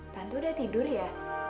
tante udah tidur ya